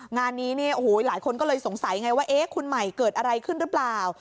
งานนี้เนี่ยโอ้โหหลายคนก็เลยสงสัยไงว่าเอ๊ะคุณใหม่เกิดอะไรขึ้นหรือเปล่า